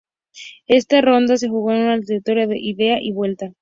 Esta ronda se jugó en una eliminatoria de ida y vuelta.